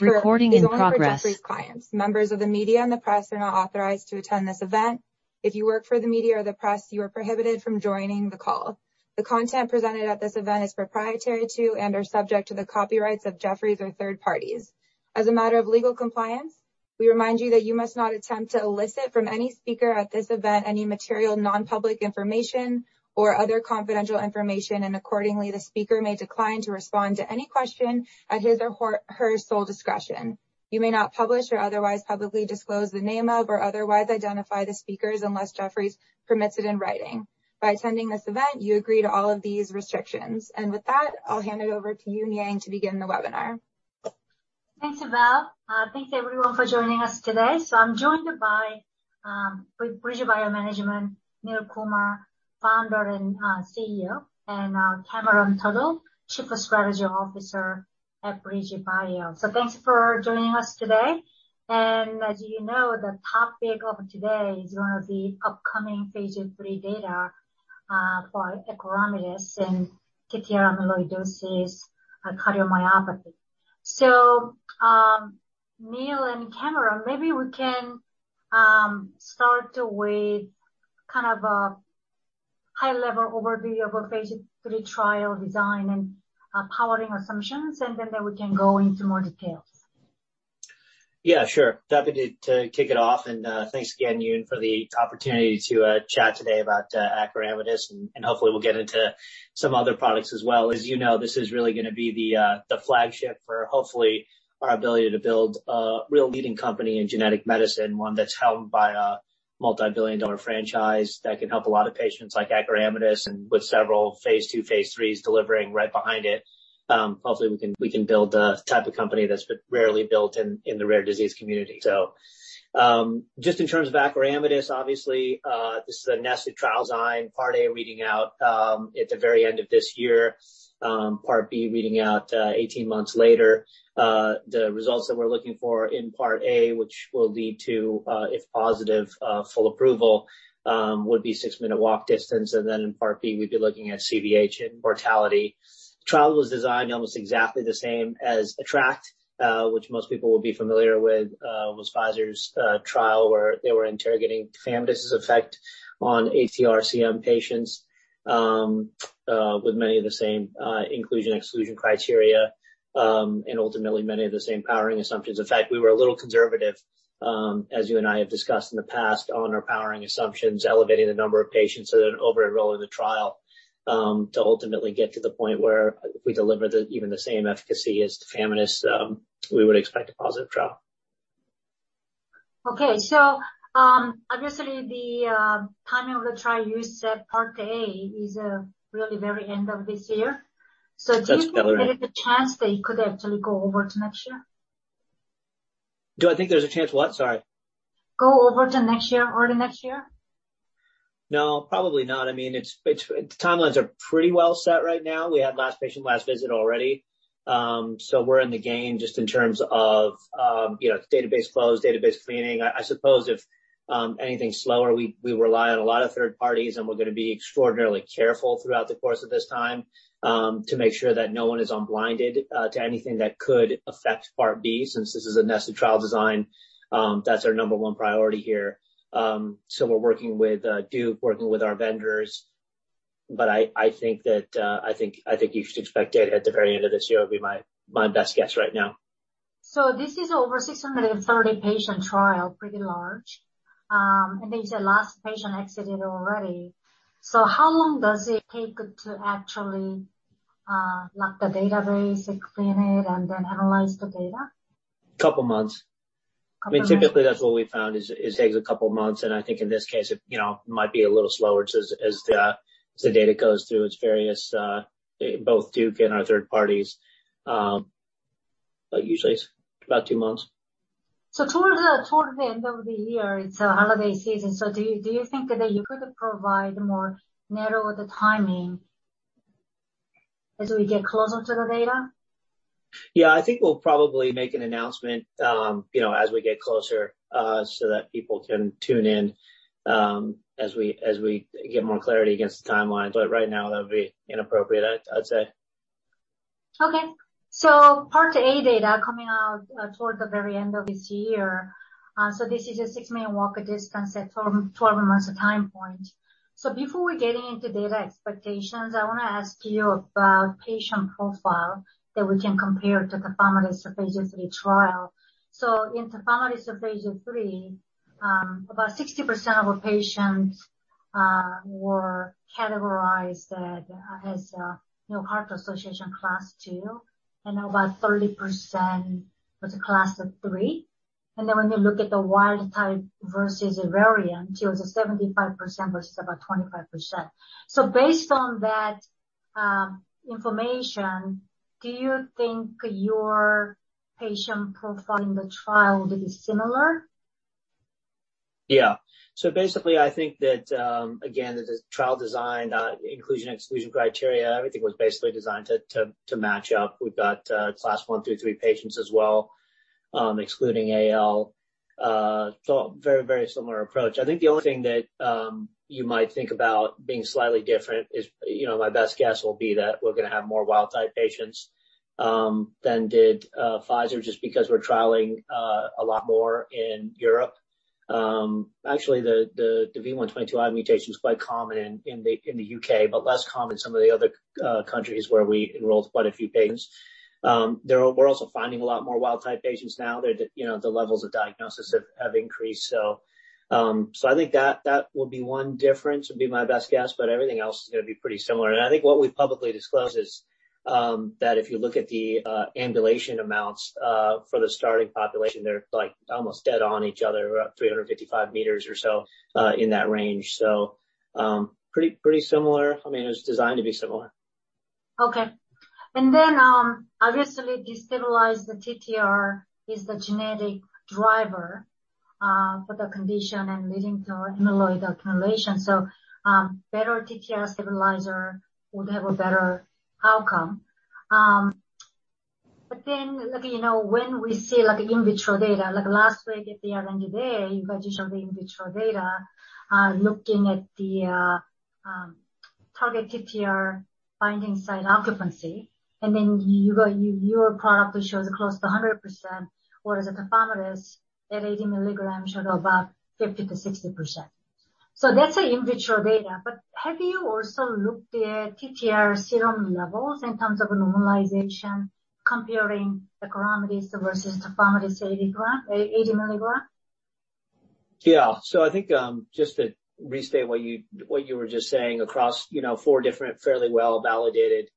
Recording in progress. This is only for Jefferies clients. Members of the media and the press are not authorized to attend this event. If you work for the media or the press, you are prohibited from joining the call. The content presented at this event is proprietary to and are subject to the copyrights of Jefferies or third parties. As a matter of legal compliance, we remind you that you must not attempt to elicit from any speaker at this event any material non-public information or other confidential information. Accordingly, the speaker may decline to respond to any question at his or her sole discretion. You may not publish or otherwise publicly disclose the name of, or otherwise identify the speakers unless Jefferies permits it in writing. By attending this event, you agree to all of these restrictions. With that, I'll hand it over to Eun Yang to begin the webinar. Thanks, Val. Thanks, everyone, for joining us today. I'm joined by, with BridgeBio Management, Neil Kumar, Founder and CEO, and Cameron Turtle, Chief Strategy Officer at BridgeBio. Thanks for joining us today. As you know, the topic of today is one of the upcoming phase III data, for acoramidis and TTR amyloidosis and cardiomyopathy. Neil and Cameron, maybe we can start with kind of a high-level overview of our phase III trial design and powering assumptions, then we can go into more details. Yeah, sure. Happy to kick it off. Thanks again, Eun, for the opportunity to chat today about acoramidis, and hopefully we'll get into some other products as well. As you know, this is really going to be the flagship for, hopefully, our ability to build a real leading company in genetic medicine, one that's held by a multibillion-dollar franchise that can help a lot of patients like acoramidis and with several phase II, phase III delivering right behind it. Hopefully, we can build a type of company that's rarely built in the rare disease community. Just in terms of acoramidis, obviously, this is a nested trial design, Part A reading out at the very end of this year, Part B reading out 18 months later. The results that we're looking for in Part A, which will lead to if positive, full approval, would be six-minute walk distance. In Part B, we'd be looking at CVH and mortality. The trial was designed almost exactly the same as ATTRACT, which most people will be familiar with. It was Pfizer's trial where they were interrogating tafamidis's effect on ATTR-CM patients, with many of the same inclusion/exclusion criteria, and ultimately many of the same powering assumptions. In fact, we were a little conservative, as you and I have discussed in the past, on our powering assumptions, elevating the number of patients so that over enroll in the trial, to ultimately get to the point where if we deliver even the same efficacy as the tafamidis, we would expect a positive trial. Okay. Obviously the timing of the trial, you said Part A is really very end of this year. That's calendar. Do you think there is a chance that it could actually go over to next year? Do I think there's a chance what? Sorry. Go over to next year or the next year? No, probably not. I mean, the timelines are pretty well set right now. We had last patient last visit already. We're in the game just in terms of database close, database cleaning. I suppose if anything's slower, we rely on a lot of third parties, and we're going to be extraordinarily careful throughout the course of this time to make sure that no one is unblinded to anything that could affect Part B. Since this is a nested trial design, that's our number one priority here. We're working with Duke, working with our vendors. I think you should expect data at the very end of this year would be my best guess right now. This is over 630 patient trial, pretty large. You said last patient exited already. How long does it take to actually lock the database and clean it and then analyze the data? Couple months. Couple months. I mean, typically that's what we found is, it takes a couple of months. I think in this case, it might be a little slower as the data goes through its various, both Duke and our third parties. Usually, it's about two months. Towards the end of the year, it's a holiday season. Do you think that you could provide more narrow the timing as we get closer to the data? Yeah, I think we'll probably make an announcement as we get closer, so that people can tune in, as we get more clarity against the timeline. Right now, that would be inappropriate, I'd say. Part A data coming out toward the very end of this year. This is a 6-minute walk or distance at 12 months time point. Before we get into data expectations, I want to ask you about patient profile that we can compare to the tafamidis's phase III trial. In tafamidis's phase III, about 60% of our patients were categorized as Heart Association Class II, and about 30% was a Class III. When you look at the wild type versus a variant, it was a 75% versus about 25%. Based on that information, do you think your patient profile in the trial will be similar? Yeah. Basically, I think that, again, the trial design, inclusion/exclusion criteria, everything was basically designed to match up. We've got Class I through III patients as well excluding AL. Very similar approach. I think the only thing that you might think about being slightly different is, my best guess will be that we're going to have more wild-type patients than did Pfizer, just because we're trialing a lot more in Europe. Actually, the V122I mutation is quite common in the U.K., but less common in some of the other countries where we enrolled quite a few patients. We're also finding a lot more wild-type patients now. The levels of diagnosis have increased. I think that will be one difference, would be my best guess, but everything else is going to be pretty similar. I think what we've publicly disclosed is that if you look at the ambulation amounts for the starting population, they're almost dead on each other. We're at 355 m or so, in that range. Pretty similar. It was designed to be similar. Okay. Obviously destabilized TTR is the genetic driver for the condition and leading to amyloid accumulation. Better TTR stabilizer would have a better outcome. When we see in vitro data, like last week at the R&D Day, you guys showed the in vitro data looking at the target TTR binding site occupancy, and then your product shows close to 100%, whereas tafamidis at 80 mg showed about 50%-60%. That's the in vitro data. Have you also looked at TTR serum levels in terms of normalization comparing acoramidis versus tafamidis 80 mg? I think, just to restate what you were just saying, across 4 different fairly well-validated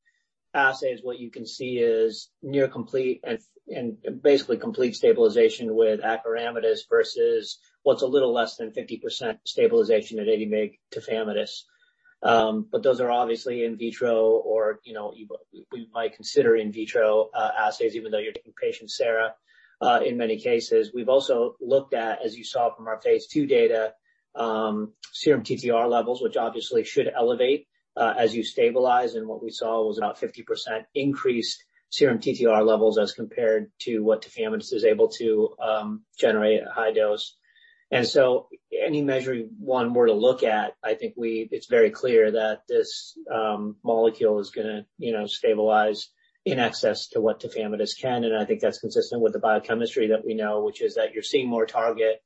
assays, what you can see is near complete and basically complete stabilization with acoramidis versus what's a little less than 50% stabilization at 80 mg tafamidis. Those are obviously in vitro, or we might consider in vitro assays even though you're taking patient sera in many cases. We've also looked at, as you saw from our phase II data, serum TTR levels, which obviously should elevate as you stabilize, and what we saw was about 50% increased serum TTR levels as compared to what tafamidis was able to generate at high dose. Any measuring one were to look at, I think it's very clear that this molecule is going to stabilize in excess to what tafamidis can, and I think that's consistent with the biochemistry that we know, which is that you're seeing more target,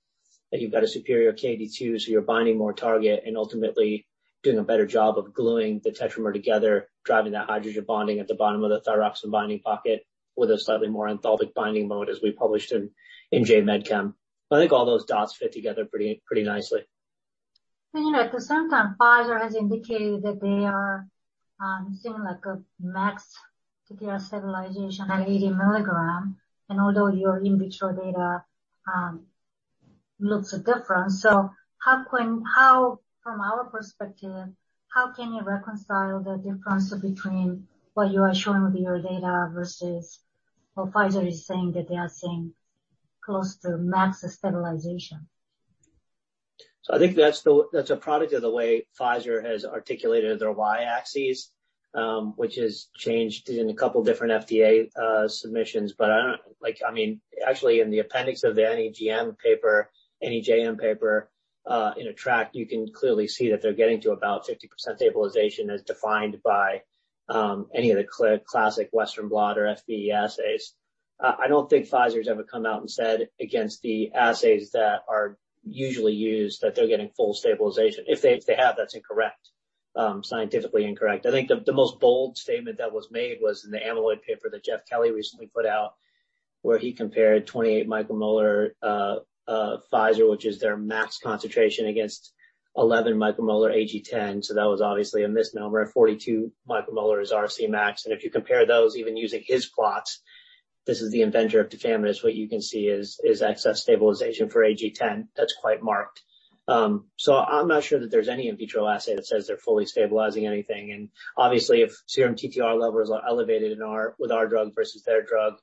that you've got a superior KD2, so you're binding more target and ultimately doing a better job of gluing the tetramer together, driving that hydrogen bonding at the bottom of the thyroxine binding pocket with a slightly more enthalpic binding mode, as we published in J Med Chem. I think all those dots fit together pretty nicely. You're right, for some time, Pfizer has indicated that they are seeing a max TTR stabilization at 80 mg, and although your in vitro data looks different. From our perspective, how can you reconcile the difference between what you are showing with your data versus what Pfizer is saying that they are seeing close to max stabilization? I think that's a product of the way Pfizer has articulated their Y-axes, which has changed in a couple of different FDA submissions. Actually in the appendix of the NEJM paper, in ATTRACT, you can clearly see that they're getting to about 50% stabilization as defined by any of the classic Western blot or FBE assays. I don't think Pfizer's ever come out and said against the assays that are usually used, that they're getting full stabilization. If they have, that's incorrect. Scientifically incorrect. I think the most bold statement that was made was in the amyloid paper that Jeff Kelly recently put out, where he compared 28 micromolar Pfizer, which is their max concentration against 11 micromolar AG10. That was obviously a misnomer. 42 micromolar is our Cmax, and if you compare those, even using his plots, this is the inventor of tafamidis, what you can see is excess stabilization for AG10 that's quite marked. I'm not sure that there's any in vitro assay that says they're fully stabilizing anything. Obviously, if serum TTR levels are elevated with our drug versus their drug,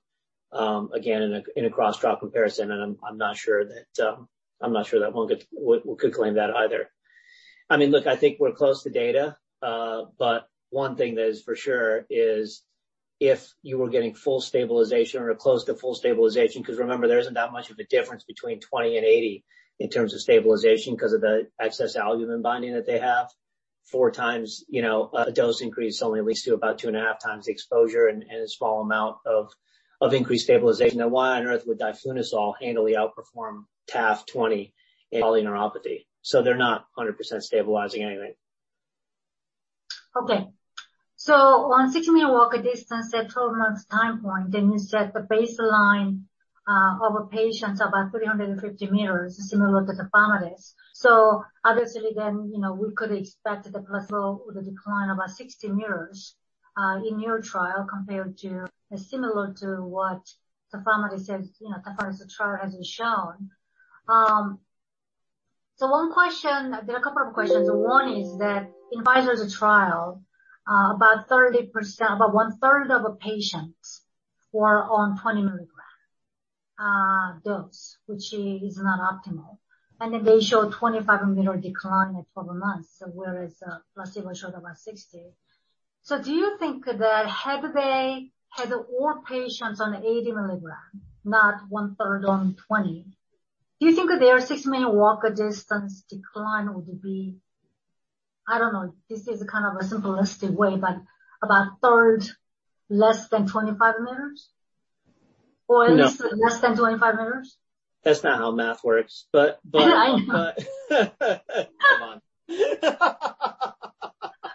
again, in a cross-trial comparison, and I'm not sure that one could claim that either. Look, I think we're close to data. One thing that is for sure is if you were getting full stabilization or close to full stabilization, because remember, there isn't that much of a difference between 20 and 80 in terms of stabilization because of the excess albumin binding that they have. Four times a dose increase only leads to about 2 and a half times the exposure and a small amount of increased stabilization. Why on earth would diflunisal handily outperform TAF 20 in polyneuropathy? They're not 100% stabilizing anything. Okay. On six-minute walk distance at 12 months time point, then you said the baseline of a patient is about 350 m, similar to tafamidis. Obviously then, we could expect the placebo with a decline of about 60 m in your trial compared to, or similar to what tafamidis trial has shown. One question, there are a couple of questions. One is that in Pfizer's trial, about 30%, about 1/3 of a patient were on 20 mg dose, which is not optimal. Then they show 25 m decline at 12 months, whereas placebo showed about 60. Do you think that had they had all patients on 80 mg, not 1/3 on 20, do you think that their six-minute walk distance decline would be, I don't know, this is kind of a simplistic way, but about a third less than 25 m? No. At least less than 25 m? That's not how math works. Yeah, I know. Come on.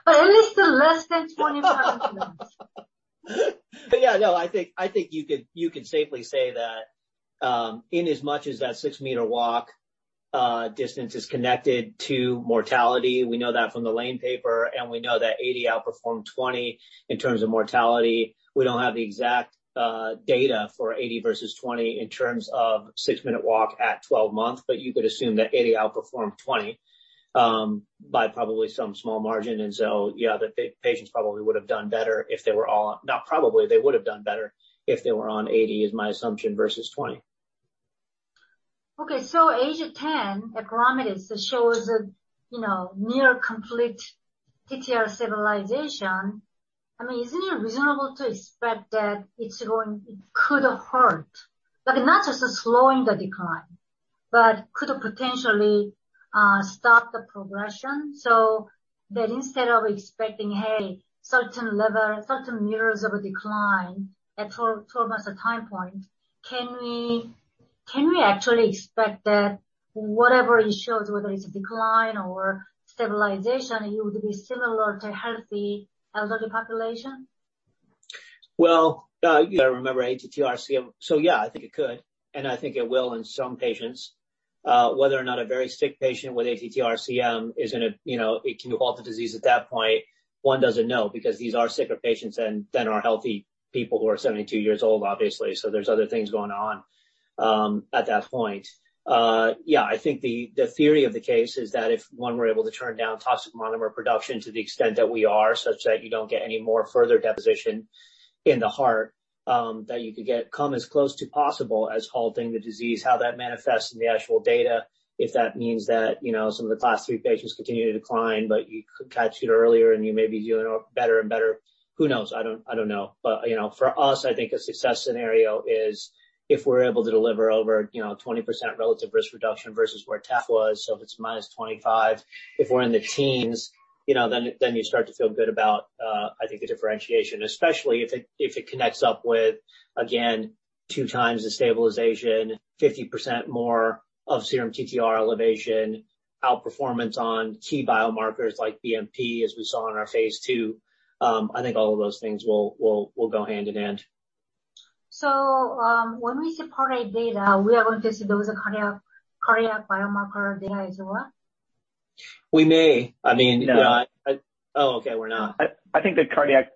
At least less than 25 m. Yeah, no, I think you could safely say that inasmuch as that six-minute walk distance is connected to mortality, we know that from the Lane paper, and we know that 80 outperformed 20 in terms of mortality. We don't have the exact data for 80 versus 20 in terms of six-minute walk at 12 months, you could assume that 80 outperformed 20 by probably some small margin. Yeah, the patients probably would have done better if they were all, not probably, they would have done better if they were on 80, is my assumption, versus 20. AG10, acoramidis, shows a near complete TTR stabilization. Isn't it reasonable to expect that it could've hurt? Not just slowing the decline. Could have potentially stopped the progression? That instead of expecting, hey, certain levels, certain m of a decline at 12 months time point, can we actually expect that whatever it shows, whether it's a decline or stabilization, it would be similar to healthy elderly population? Well, you got to remember ATTR-CM. Yeah, I think it could, and I think it will in some patients. Whether or not a very sick patient with ATTR-CM, it can halt the disease at that point, one doesn't know, because these are sicker patients than our healthy people who are 72 years old, obviously. There's other things going on at that point. I think the theory of the case is that if, 1, we're able to turn down toxic monomer production to the extent that we are, such that you don't get any more further deposition in the heart, that you could come as close to possible as halting the disease. How that manifests in the actual data, if that means that some of the Class III patients continue to decline, but you could catch it earlier, and you may be doing better and better. Who knows? I don't know. For us, I think a success scenario is if we're able to deliver over 20% relative risk reduction versus where taf was. If it's -25, if we're in the teens, then you start to feel good about, I think, the differentiation, especially if it connects up with, again, 2x the stabilization, 50% more of serum TTR elevation, outperformance on key biomarkers like BNP, as we saw in our phase II. I think all of those things will go hand in hand. When we separate data, we are going to see those cardiac biomarker data as well? We may. No. Oh, okay, we're not. I think the cardiac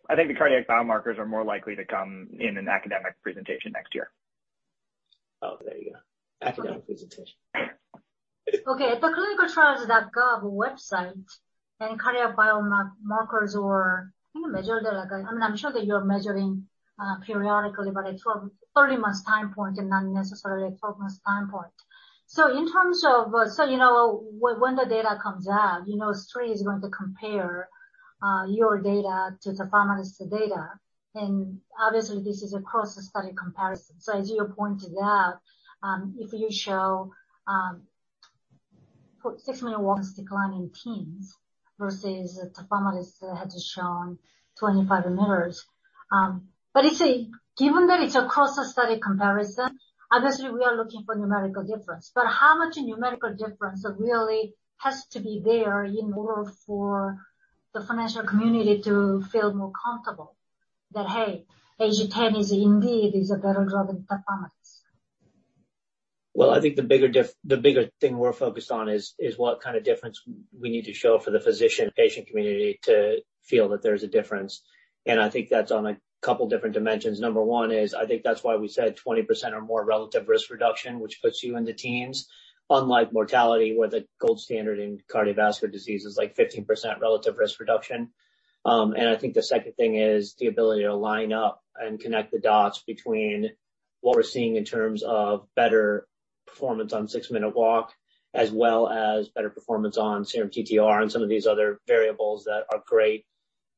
biomarkers are more likely to come in an academic presentation next year. Oh, there you go. Academic presentation. Okay. The clinicaltrials.gov website and cardiac biomarkers were measured. I'm sure that you're measuring periodically, but at 30 months time point and not necessarily at 12 months time point. When the data comes out, Street is going to compare your data to tafamidis data. Obviously, this is a cross-study comparison. As you pointed out, if you show six-minute walks decline in teens versus tafamidis had shown 25 m. Given that it's a cross-study comparison, obviously, we are looking for numerical difference. How much numerical difference really has to be there in order for the financial community to feel more comfortable that, hey, AG10 is indeed is a better drug than tafamidis? I think the bigger thing we're focused on is what kind of difference we need to show for the physician and patient community to feel that there's a difference. I think that's on a couple different dimensions. 1 is, I think that's why we said 20% or more relative risk reduction, which puts you in the teens, unlike mortality, where the gold standard in cardiovascular disease is like 15% relative risk reduction. I think the second thing is the ability to line up and connect the dots between what we're seeing in terms of better performance on six-minute walk, as well as better performance on serum TTR and some of these other variables that are great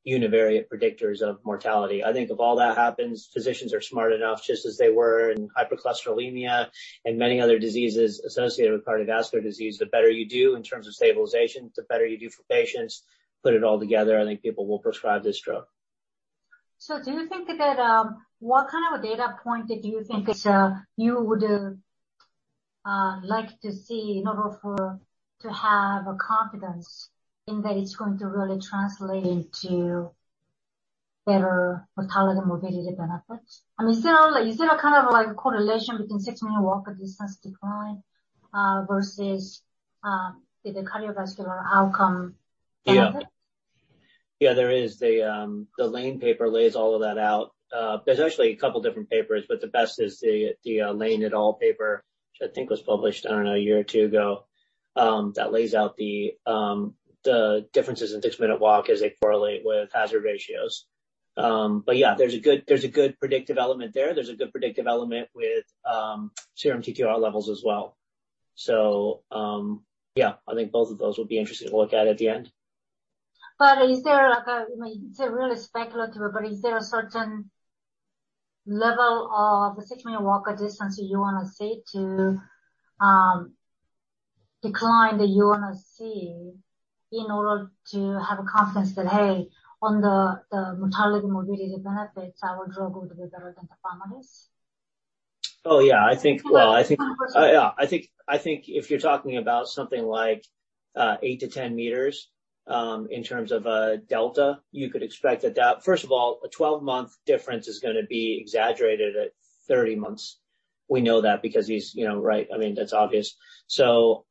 univariate predictors of mortality. I think if all that happens, physicians are smart enough, just as they were in hypercholesterolemia and many other diseases associated with cardiovascular disease. The better you do in terms of stabilization, the better you do for patients. Put it all together, I think people will prescribe this drug. What kind of a data point did you think you would like to see in order for to have a confidence in that it's going to really translate into better mortality, morbidity benefits? Is there a kind of like correlation between six-minute walk or distance decline versus the cardiovascular outcome benefit? Yeah. There is. The Lane paper lays all of that out. There's actually a couple different papers, but the best is the Lane et al. paper, which I think was published, I don't know, a year or two ago, that lays out the differences in six-minute walk as they correlate with hazard ratios. Yeah, there's a good predictive element there. There's a good predictive element with serum TTR levels as well. Yeah, I think both of those will be interesting to look at the end. It's really speculative, but is there a certain level of the six-minute walk distance that you want to see to decline that you want to see in order to have a confidence that, hey, on the mortality, morbidity benefits, our drug would be better than tafamidis? Oh, yeah. I think if you're talking about something like 8 to 10 m, in terms of a delta, you could expect that First of all, a 12-month difference is going to be exaggerated at 30 months. We know that because it's right. That's obvious. If you're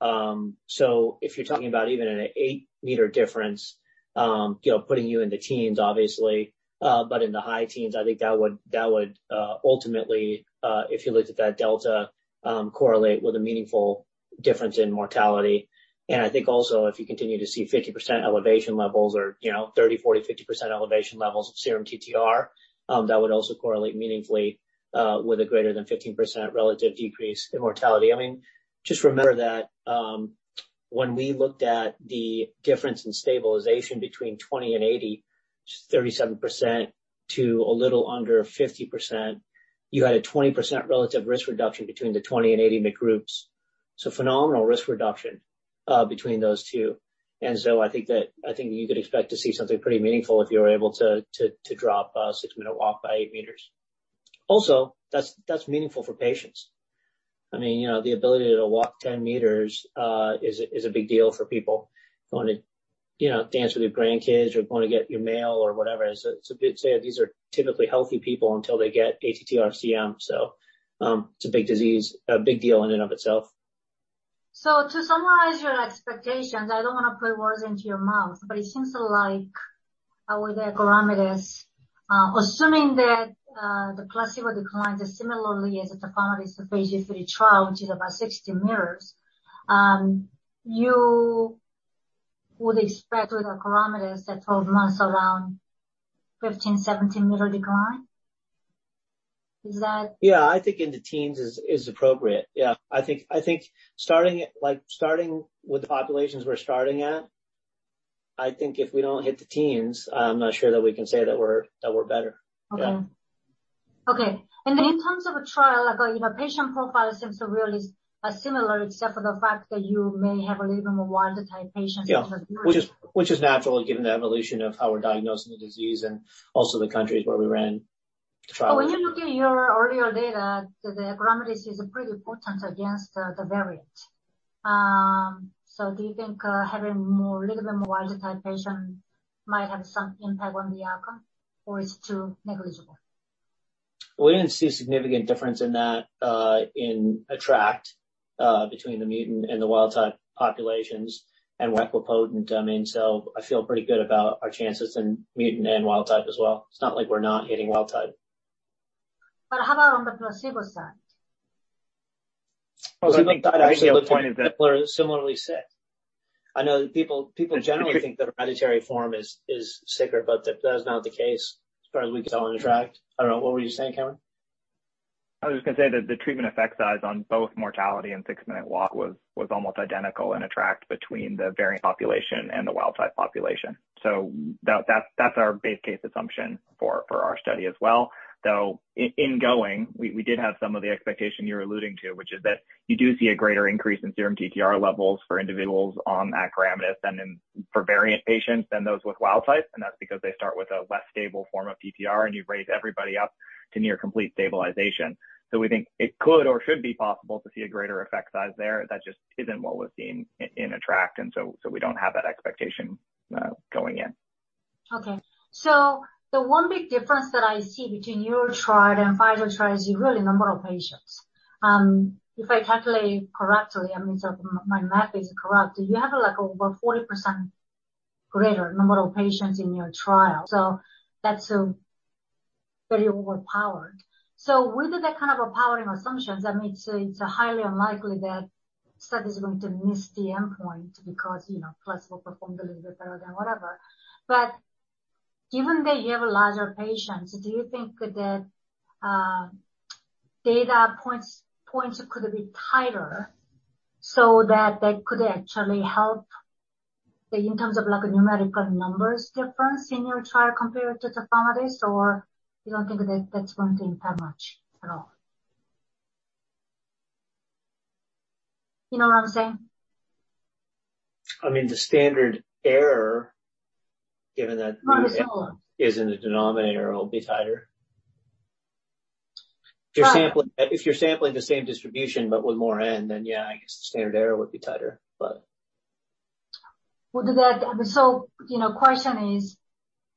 talking about even an 8-meter difference, putting you in the teens obviously, but in the high teens. I think that would ultimately, if you looked at that delta, correlate with a meaningful difference in mortality. I think also, if you continue to see 50% elevation levels or 30%, 40%, 50% elevation levels of serum TTR, that would also correlate meaningfully, with a greater than 15% relative decrease in mortality. Remember that when we looked at the difference in stabilization between 20 and 80, which is 37% to a little under 50%, you had a 20% relative risk reduction between the 20 and 80 mg groups. Phenomenal risk reduction between those two. I think you could expect to see something pretty meaningful if you were able to drop a six-minute walk by 8 m. Also, that's meaningful for patients. The ability to walk 10 m is a big deal for people who want to dance with your grandkids or want to get your mail or whatever. These are typically healthy people until they get ATTR-CM. It's a big deal in and of itself. To summarize your expectations, I don't want to put words into your mouth, but it seems like with the acoramidis, assuming that the placebo declined as similarly as the tafamidis phase III trial, which is about 60 m, you would expect with acoramidis at 12 months, around 15, 17, decline? Is that correct? Yeah. I think in the teens is appropriate. Yeah. I think starting with the populations we're starting at, I think if we don't hit the teens, I'm not sure that we can say that we're better. Yeah. Okay. In terms of a trial, patient profile seems to really similar, except for the fact that you may have a little more wild-type patients than the previous. Yeah, which is natural given the evolution of how we're diagnosing the disease and also the countries where we ran trials. When you look at your earlier data, the acoramidis is pretty potent against the variant. Do you think, having more little bit more wild-type patient might have some impact on the outcome? Is it too negligible? We didn't see a significant difference in that in ATTRACT between the mutant and the wild-type populations. We're equipotent, so I feel pretty good about our chances in mutant and wild-type as well. It's not like we're not hitting wild type. How about on the placebo side? Well, I think my original point is people are similarly sick. I know that people generally think the hereditary form is sicker. That is not the case as far as we can tell in ATTRACT. I don't know. What were you saying, Cameron? I was just going to say that the treatment effect size on both mortality and six-minute walk was almost identical in ATTRACT between the variant population and the wild-type population. That's our base case assumption for our study as well. Though in going, we did have some of the expectation you're alluding to, which is that you do see a greater increase in serum TTR levels for individuals on acoramidis and then for variant patients than those with wild type. That's because they start with a less stable form of TTR, and you raise everybody up to near complete stabilization. We think it could or should be possible to see a greater effect size there. That just isn't what was seen in ATTRACT. We don't have that expectation going in. Okay. The one big difference that I see between your trial and Pfizer trial is really number of patients. If I calculate correctly, so if my math is correct, you have like over 40% greater number of patients in your trial. That's very overpowered. With that kind of a powering assumptions, it's highly unlikely that study is going to miss the endpoint because placebo performed a little bit better than whatever. Given that you have a larger patient, do you think that data points could be tighter so that that could actually help in terms of numerical numbers difference in your trial compared to tafamidis? Or you don't think that's going to impact much at all? You know what I'm saying? The standard error, given that- Plus or -isn't a denominator, will be tighter. But- If you're sampling the same distribution but with more N, then yeah, I guess the standard error would be tighter. Question is,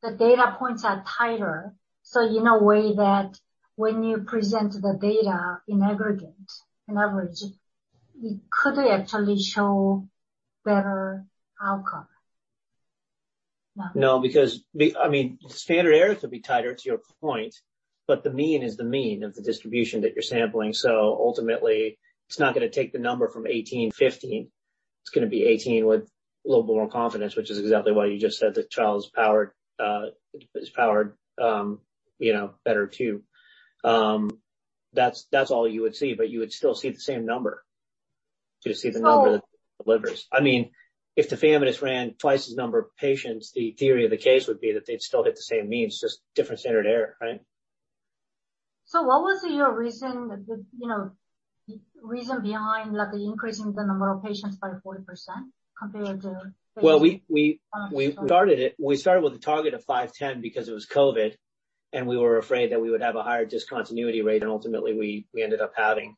the data points are tighter, so in a way that when you present the data in aggregate, in average, it could actually show better outcome. No? No, because the standard errors would be tighter to your point, but the mean is the mean of the distribution that you're sampling. Ultimately, it's not going to take the number from 18. It's going to be 18 with a little bit more confidence, which is exactly why you just said the trial is powered better, too. That's all you would see, you would still see the same number. You would see the number that delivers. If tafamidis ran twice as number of patients, the theory of the case would be that they'd still hit the same means, just different standard error, right? What was your reason behind increasing the number of patients by 40% compared to? Well, we started with a target of 510 because it was COVID. We were afraid that we would have a higher discontinuity rate than ultimately we ended up having.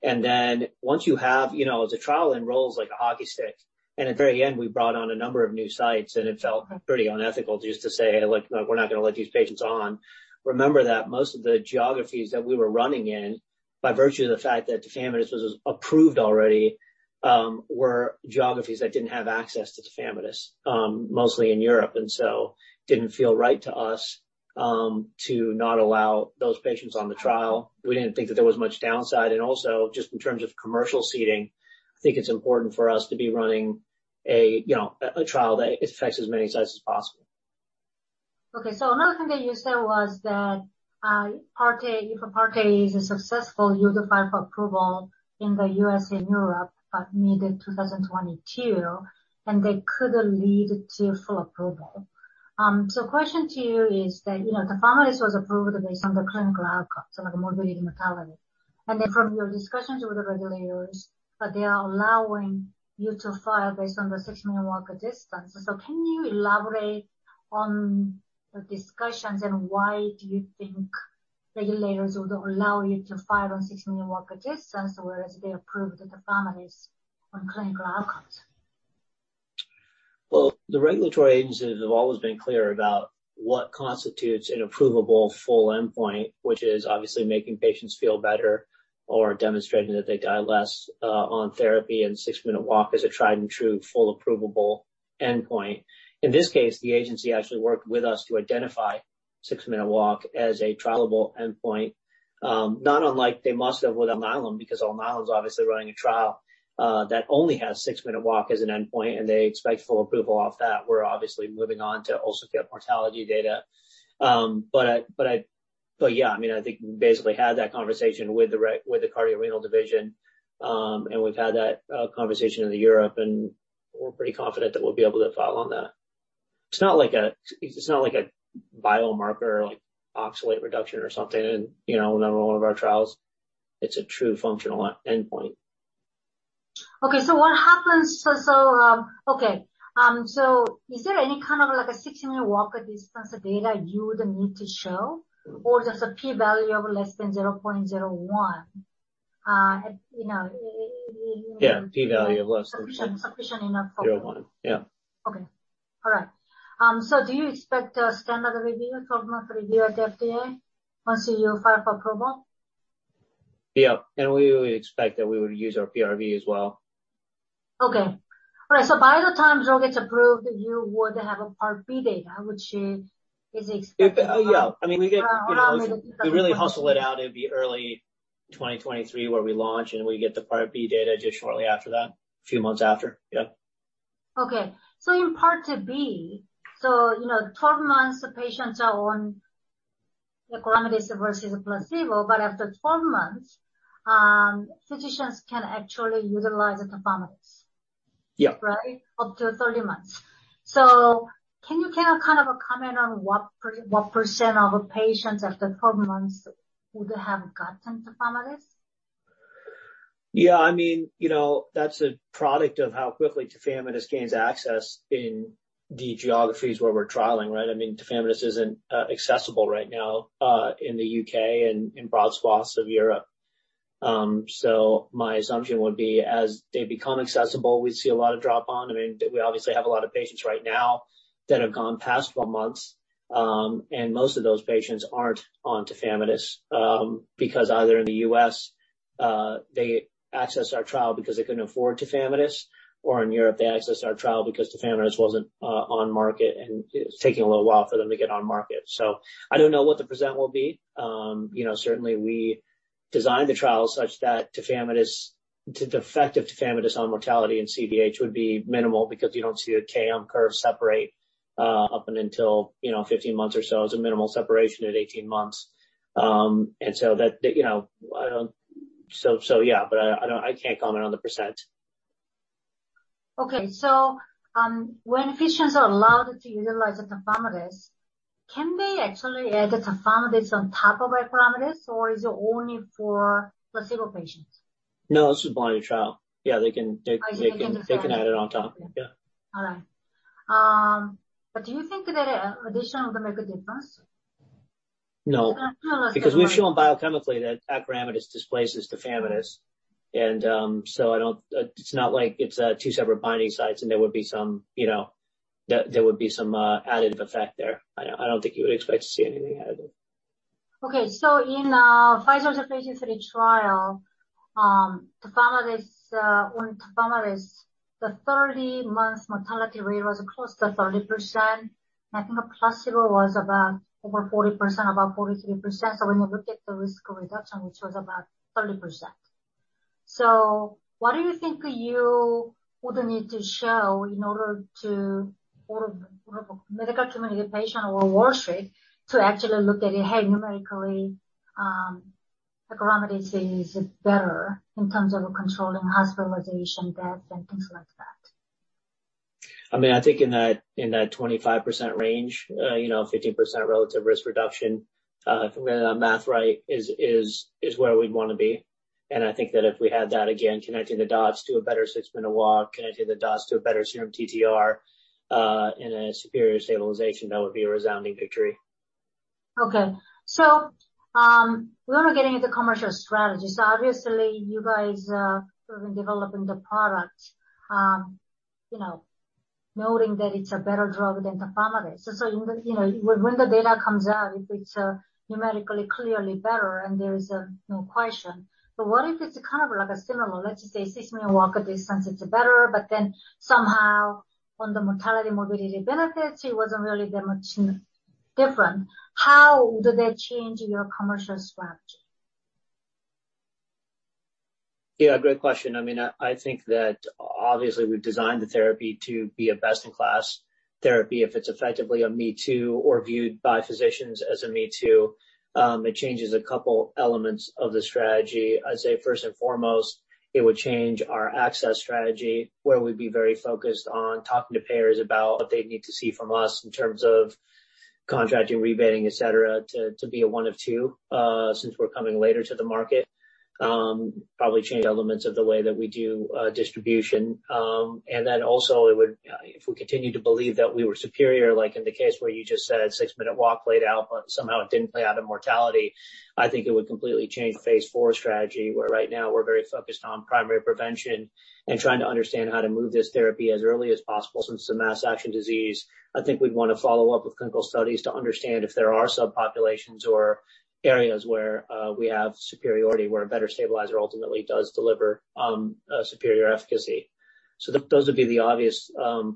As the trial enrolls like a hockey stick. At the very end, we brought on a number of new sites. It felt pretty unethical just to say, "Look, we're not going to let these patients on." Remember that most of the geographies that we were running in, by virtue of the fact that tafamidis was approved already, were geographies that didn't have access to tafamidis. Mostly in Europe. It didn't feel right to us to not allow those patients on the trial. We didn't think that there was much downside. Also, just in terms of commercial seating, I think it's important for us to be running a trial that affects as many sites as possible. Okay. Another thing that you said was that if Part A is successful, you would apply for approval in the U.S. and Europe by mid-2022, and that could lead to full approval. Question to you is that tafamidis was approved based on the clinical outcomes, like morbidity and mortality. From your discussions with the regulators that they are allowing you to file based on the six-minute walk distance. Can you elaborate on the discussions and why do you think regulators would allow you to file on six-minute walk distance, whereas they approved the tafamidis on clinical outcomes? Well, the regulatory agencies have always been clear about what constitutes an approvable full endpoint, which is obviously making patients feel better or demonstrating that they die less on therapy, and six-minute walk is a tried-and-true full approvable endpoint. In this case, the agency actually worked with us to identify six-minute walk as a triable endpoint. Not unlike they must have with Alnylam, because Alnylam's obviously running a trial that only has six-minute walk as an endpoint, and they expect full approval off that. We're obviously moving on to all-cause death mortality data. Yeah, I think we basically had that conversation with the Cardio-Renal Division, and we've had that conversation in the Europe, and we're pretty confident that we'll be able to file on that. It's not like a biomarker, like oxalate reduction or something in another one of our trials. It's a true functional endpoint. Okay. Is there any kind of like a six-minute walk distance data you would need to show? Or just a P value of less than 0.01? Yeah. P value of less than. Sufficient enough for- 01. Yeah. Okay. All right. Do you expect a standard review, 12-month review at the FDA once you apply for approval? Yep. We would expect that we would use our PRV as well. Okay. All right. By the time drug gets approved, you would have a Part B data, which is expected. Yeah. We really hustle it out. It'd be early 2023 where we launch, and we get the Part B data just shortly after that, a few months after. Yep. In Part B, 12 months, the patients are on acoramidis versus a placebo. After 12 months, physicians can actually utilize the tafamidis. Yep. Right? Up to 30 months. Can you kind of comment on what % of patients after 12 months would have gotten tafamidis? Yeah. That's a product of how quickly tafamidis gains access in the geographies where we're trialing, right? Tafamidis isn't accessible right now in the U.K. and in broad swaths of Europe. My assumption would be as they become accessible, we'd see a lot of drop-on. We obviously have a lot of patients right now that have gone past 12 months. Most of those patients aren't on tafamidis. Because either in the U.S., they accessed our trial because they couldn't afford tafamidis, or in Europe, they accessed our trial because tafamidis wasn't on market, and it's taking a little while for them to get on market. I don't know what the percent will be. Certainly, we designed the trial such that the effect of tafamidis on mortality and CVH would be minimal because you don't see a Kaplan-Meier curve separate up and until 15 months or so. It's a minimal separation at 18 months. yeah. I can't comment on the %. Okay. When physicians are allowed to utilize the tafamidis, can they actually add the tafamidis on top of acoramidis, or is it only for placebo patients? No, this is a binding trial. Yeah, they can- Oh, they can decide. They can add it on top. Yeah. All right. Do you think that addition will make a difference? No. From a chemical-. Because we've shown biochemically that acoramidis displaces tafamidis. It's not like it's two separate binding sites and there would be some additive effect there. I don't think you would expect to see anything additive. Okay. In Pfizer's efficacy trial, on tafamidis, the 30-month mortality rate was across the 30%. I think the placebo was about over 40%, about 43%. When you look at the risk reduction, which was about 30%. What do you think you would need to show for medical community, patient, or Wall Street to actually look at it, hey, numerically, the product is better in terms of controlling hospitalization, deaths, and things like that? I think in that 25% range, 15% relative risk reduction, if I'm getting that math right, is where we'd want to be. I think that if we had that, again, connecting the dots to a better six-minute walk, connecting the dots to a better serum TTR, and a superior stabilization, that would be a resounding victory. We want to get into commercial strategy. Obviously, you guys are developing the product, noting that it's a better drug than tafamidis. When the data comes out, if it's numerically clearly better and there is no question. What if it's kind of like similar, let's say 6-minute walk distance, it's better, but then somehow on the mortality, morbidity benefits, it wasn't really that much different. How would that change your commercial strategy? Yeah, great question. I think that obviously we've designed the therapy to be a best-in-class therapy. If it's effectively a me-too or viewed by physicians as a me-too, it changes a couple elements of the strategy. I'd say first and foremost, it would change our access strategy, where we'd be very focused on talking to payers about what they'd need to see from us in terms of contracting, rebating, et cetera, to be a one of two, since we're coming later to the market. Probably change elements of the way that we do distribution. Also it would if we continue to believe that we were superior, like in the case where you just said six-minute walk played out, but somehow it didn't play out in mortality, I think it would completely change phase IV strategy, where right now we're very focused on primary prevention and trying to understand how to move this therapy as early as possible since the mass action disease. I think we'd want to follow up with clinical studies to understand if there are subpopulations or areas where we have superiority, where a better stabilizer ultimately does deliver superior efficacy. Those would be the obvious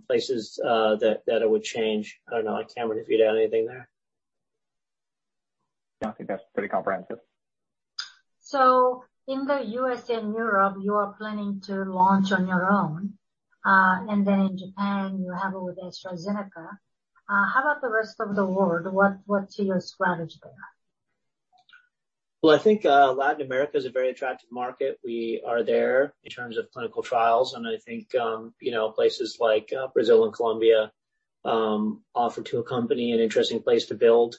places that it would change. I don't know, Cameron, if you'd add anything there. No, I think that's pretty comprehensive. In the U.S. and Europe, you are planning to launch on your own. Then in Japan, you have it with AstraZeneca. How about the rest of the world? What's your strategy there? I think Latin America is a very attractive market. We are there in terms of clinical trials, and I think places like Brazil and Colombia offer to a company an interesting place to build.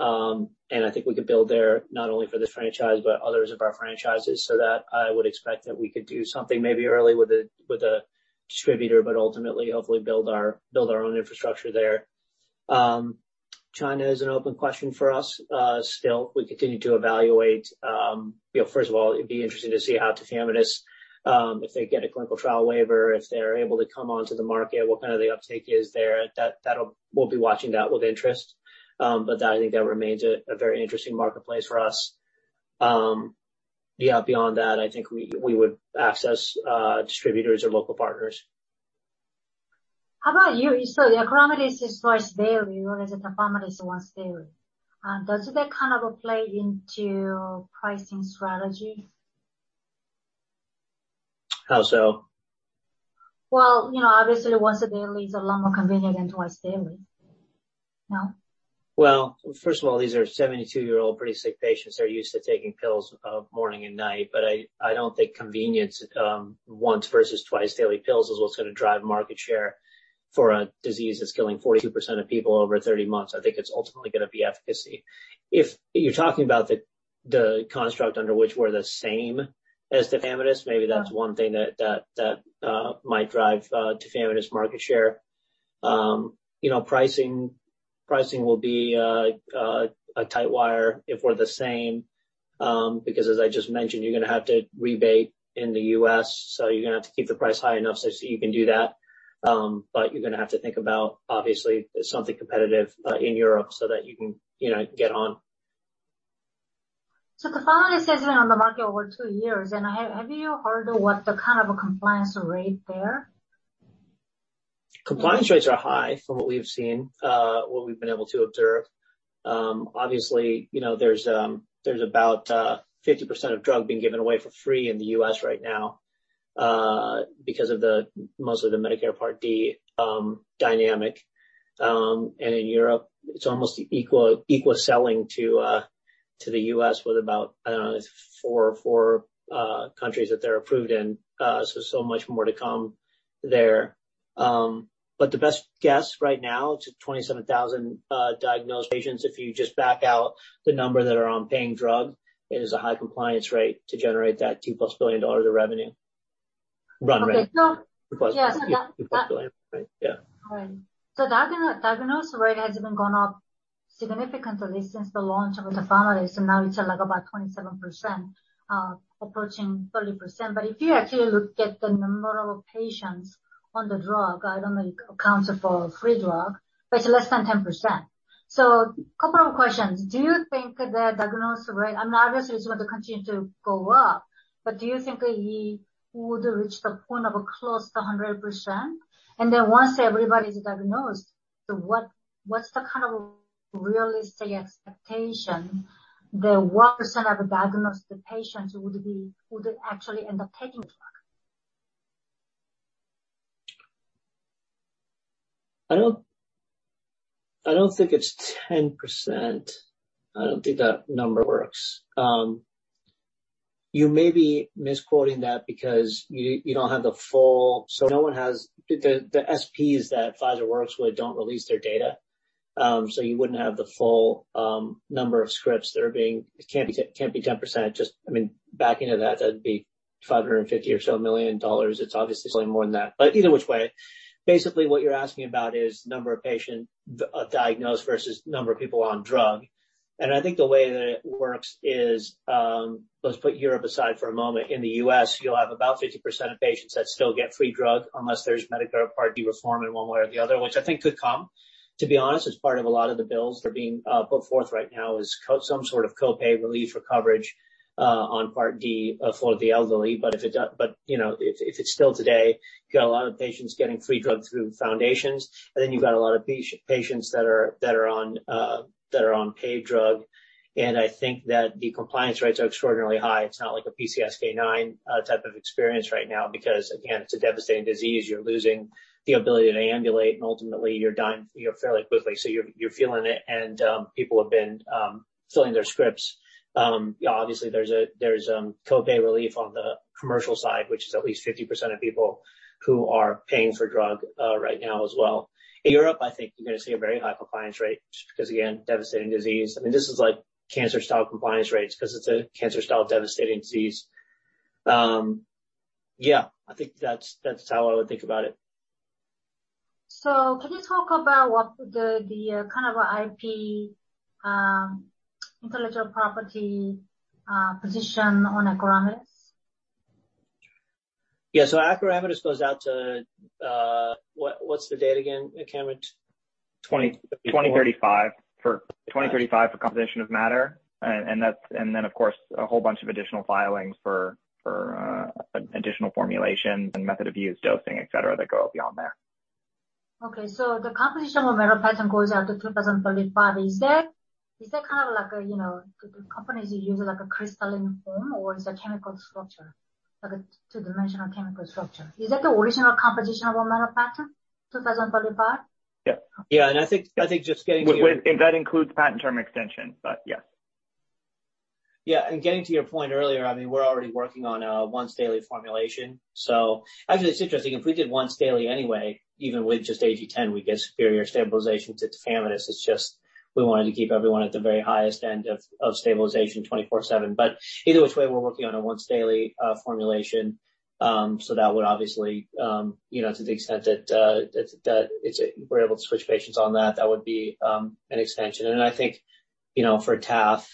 I think we could build there not only for this franchise, but others of our franchises. I would expect that we could do something maybe early with a distributor, but ultimately, hopefully build our own infrastructure there. China is an open question for us still. We continue to evaluate. First of all, it'd be interesting to see how tafamidis, if they get a clinical trial waiver, if they're able to come onto the market, what kind of the uptake is there. We'll be watching that with interest. I think that remains a very interesting marketplace for us. Beyond that, I think we would access distributors or local partners. How about you? The acoramidis is twice daily whereas the tafamidis once daily. Does that kind of play into pricing strategy? How so? Well, obviously once a daily is a lot more convenient than twice daily. No? Well, first of all, these are 72-year-old pretty sick patients that are used to taking pills morning and night. I don't think convenience once versus twice-daily pills is what's going to drive market share for a disease that's killing 42% of people over 30 months. I think it's ultimately going to be efficacy. If you're talking about the construct under which we're the same as tafamidis, maybe that's one thing that might drive tafamidis market share. Pricing will be a tightwire if we're the same, because as I just mentioned, you're going to have to rebate in the U.S., so you're going to have to keep the price high enough so you can do that. You're going to have to think about, obviously, something competitive in Europe so that you can get on. tafamidis has been on the market over 2 years, and have you heard what the kind of compliance rate there? Compliance rates are high from what we've seen, what we've been able to observe. Obviously, there's about 50% of drug being given away for free in the U.S. right now because of mostly the Medicare Part D dynamic. In Europe, it's almost equal selling to the U.S. with about, I don't know, four countries that they're approved in. So much more to come there. The best guess right now, it's at 27,000 diagnosed patients. If you just back out the number that are on paying drug, it is a high compliance rate to generate that $2+ billion revenue. Run rate. Okay. +$2 billion. Yeah. Yeah. Diagnosed rate has been going up significantly since the launch of tafamidis, and now it's at about 27%, approaching 30%. If you actually look at the number of patients on the drug, I don't know, accounted for free drug, but it's less than 10%. A couple of questions. Do you think the diagnosis rate, obviously, you just want the continue to go up, but do you think you would reach the point of close to 100%? Once everybody's diagnosed, what's the kind of realistic expectation that 1% of diagnosed patients would actually end up taking the drug? I don't think it's 10%. I don't think that number works. You may be misquoting that because you don't have the full. The SPs that Pfizer works with don't release their data. You wouldn't have the full number of scripts. It can't be 10%. Just backing into that'd be $550 or so million. It's obviously more than that. Either which way, basically what you're asking about is number of patients diagnosed versus number of people on drug. I think the way that it works is, let's put Europe aside for a moment. In the U.S., you'll have about 50% of patients that still get free drug unless there's Medicare Part D reform in one way or the other, which I think could come, to be honest. As part of a lot of the bills that are being put forth right now is some sort of co-pay relief or coverage on Part D for the elderly. If it's still today, you got a lot of patients getting free drugs through foundations, and then you've got a lot of patients that are on paid drug. I think that the compliance rates are extraordinarily high. It's not like a PCSK9 type of experience right now because, again, it's a devastating disease. You're losing the ability to ambulate, and ultimately, you're dying fairly quickly. You're feeling it, and people have been filling their scripts. Obviously, there's co-pay relief on the commercial side, which is at least 50% of people who are paying for drug right now as well. In Europe, I think you're going to see a very high compliance rate because, again, devastating disease. This is like cancer-style compliance rates because it's a cancer-style devastating disease. Yeah. I think that's how I would think about it. Can you talk about what the kind of IP, intellectual property, position on acoramidis? Yeah. acoramidis goes out to What's the date again, Cameron? 2035 for composition of matter. Then, of course, a whole bunch of additional filings for additional formulations and method of use, dosing, et cetera, that go beyond there. Okay. The composition of matter patent goes out to 2035. Is that kind of like Do companies use a crystalline form, or is it a chemical structure? Like a two-dimensional chemical structure. Is that the original composition of matter patent, 2035? Yep. Yeah. I think. That includes patent term extension, but yes. Yeah. Getting to your point earlier, we're already working on a once-daily formulation. Actually, it's interesting. If we did once daily anyway, even with just AG10, we get superior stabilization to tafamidis. It's just we wanted to keep everyone at the very highest end of stabilization 24/7. Either which way, we're working on a once-daily formulation. That would obviously, to the extent that we're able to switch patients on that would be an extension. Then I think for TAF,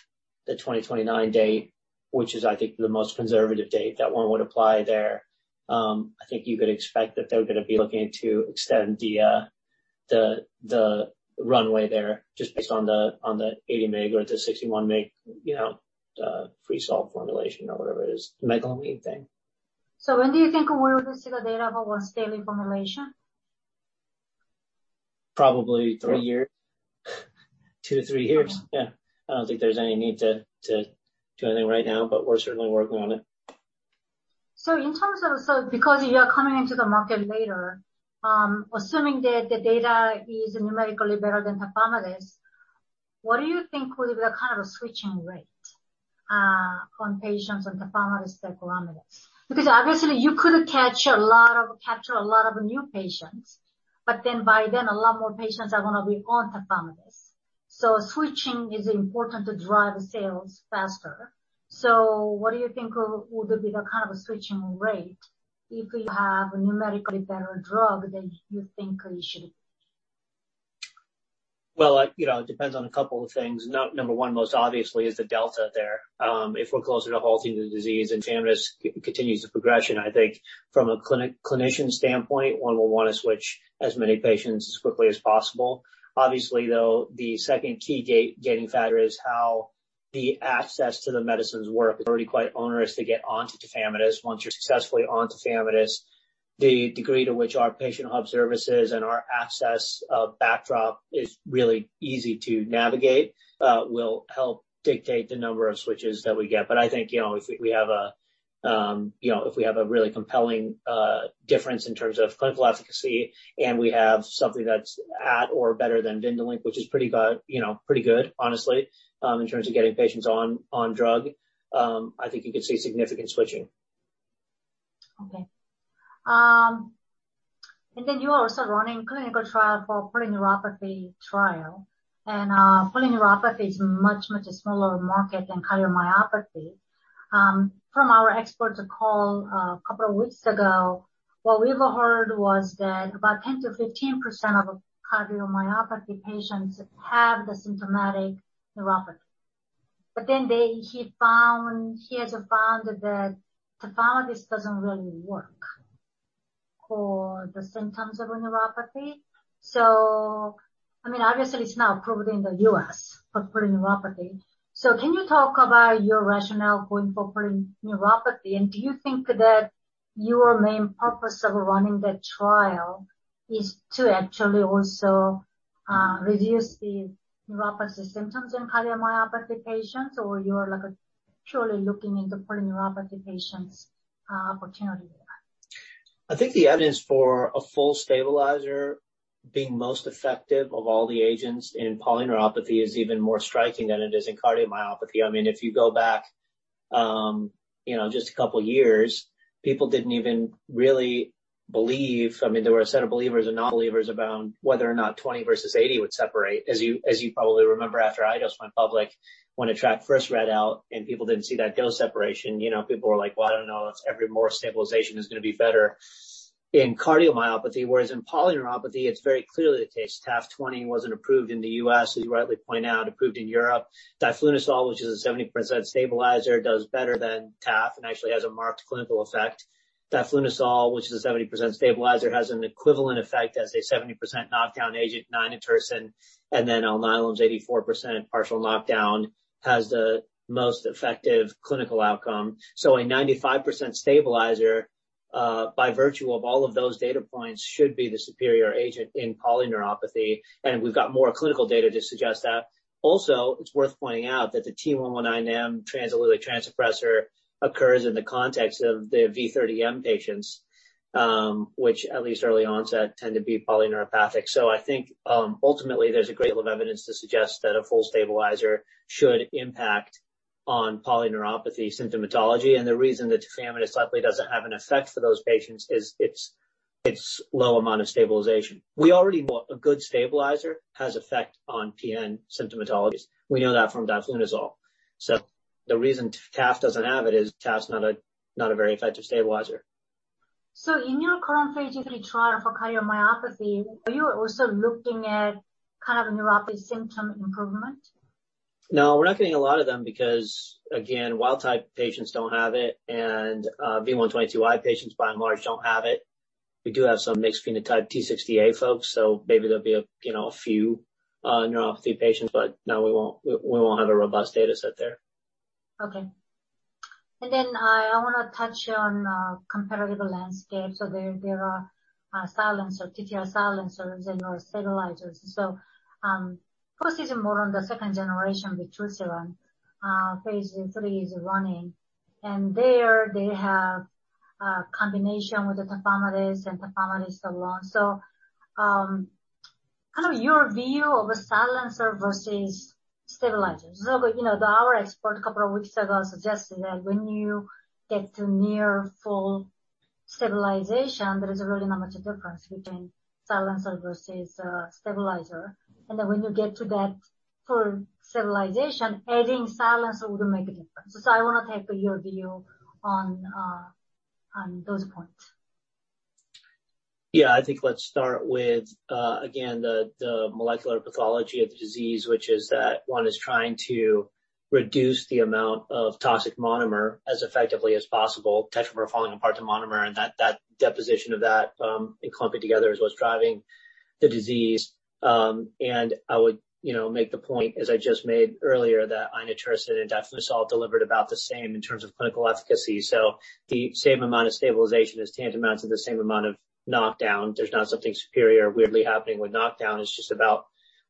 the 2029 date, which is, I think, the most conservative date, that one would apply there. I think you could expect that they're going to be looking to extend the runway there just based on the 80 mg or the 61 mg free salt formulation or whatever it is, the meglumine thing. When do you think we'll see the data for once-daily formulation? Probably 3 years. 2-3 years. Yeah. I don't think there's any need to do anything right now, but we're certainly working on it. Because you are coming into the market later, assuming that the data is numerically better than tafamidis, what do you think will be the kind of switching rate on patients on tafamidis to acoramidis? Obviously, you could capture a lot of new patients, but then by then, a lot more patients are going to be on tafamidis. Switching is important to drive sales faster. What do you think would be the kind of switching rate if you have a numerically better drug than you think you should? It depends on a couple of things. Number 1, most obviously, is the delta there. If we're closer to halting the disease and tafamidis continues the progression, I think from a clinician standpoint, one will want to switch as many patients as quickly as possible. Obviously, though, the second key gating factor is how the access to the medicines work. It's already quite onerous to get onto tafamidis. Once you're successfully on tafamidis, the degree to which our patient hub services and our access backdrop is really easy to navigate will help dictate the number of switches that we get. I think if we have a really compelling difference in terms of clinical efficacy and we have something that's at or better than VYNDAMAX, which is pretty good, honestly, in terms of getting patients on drug, I think you could see significant switching. Okay. You are also running clinical trial for polyneuropathy trial. Polyneuropathy is a much, much smaller market than cardiomyopathy. From our expert call a couple of weeks ago, what we've heard was that about 10%-15% of cardiomyopathy patients have the symptomatic neuropathy. He has found that tafamidis doesn't really work for the symptoms of a neuropathy. It's now approved in the U.S. for polyneuropathy. Can you talk about your rationale for involving neuropathy, and do you think that your main purpose of running the trial is to actually also reduce the neuropathy symptoms in cardiomyopathy patients, or you're purely looking into polyneuropathy patients opportunity there? I think the evidence for a full stabilizer being most effective of all the agents in polyneuropathy is even more striking than it is in cardiomyopathy. If you go back just a couple of years, people didn't even really believe. There were a set of believers and non-believers about whether or not 20 versus 80 would separate. As you probably remember, after Eidos went public, when ATTRACT first read out and people didn't see that dose separation, people were like, "Well, I don't know. Every more stabilization is going to be better in cardiomyopathy." Whereas in polyneuropathy, it's very clear that tafamidis 20 wasn't approved in the U.S., as you rightly point out, approved in Europe. diflunisal, which is a 70% stabilizer, does better than tafamidis and actually has a marked clinical effect. Diflunisal, which is a 70% stabilizer, has an equivalent effect as a 70% knockdown agent, inotersen, and then Alnylam's 84% partial knockdown has the most effective clinical outcome. A 95% stabilizer, by virtue of all of those data points, should be the superior agent in polyneuropathy, and we've got more clinical data to suggest that. It's worth pointing out that the T119M trans-allelic trans-suppressor occurs in the context of the V30M patients, which at least early onset, tend to be polyneuropathic. I think ultimately, there's a great deal of evidence to suggest that a full stabilizer should impact on polyneuropathy symptomatology, and the reason that tafamidis likely doesn't have an effect for those patients is its low amount of stabilization. We already know a good stabilizer has effect on PN symptomatologies. We know that from diflunisal. The reason taf doesn't have it is taf's not a very effective stabilizer. In your current Phase III trial for cardiomyopathy, are you also looking at kind of a neuropathy symptom improvement? We're not getting a lot of them because, again, wild-type patients don't have it, and V122I patients by and large don't have it. We do have some mixed phenotype T60A folks, maybe there'll be a few neuropathy patients. We won't have a robust data set there. Okay. I want to touch on competitive landscape. There are silencer, TTR silencers and/or stabilizers. Prosi is more on the second generation with vutrisiran. phase III is running, and there they have a combination with the tafamidis and tafamidis alone. Kind of your view of a silencer versus stabilizers. Our expert a couple of weeks ago suggested that when you get to near full stabilization, there is really not much difference between silencer versus stabilizer. When you get to that full stabilization, adding silencer wouldn't make a difference. I want to take your view on those points. Yeah. I think let's start with, again, the molecular pathology of the disease, which is that 1 is trying to reduce the amount of toxic monomer as effectively as possible. TTR is falling apart to monomer, and that deposition of that and clumping together is what's driving the disease. I would make the point, as I just made earlier, that inotersen and diflunisal delivered about the same in terms of clinical efficacy. The same amount of stabilization is tantamount to the same amount of knockdown. There's not something superior weirdly happening with knockdown. It's just about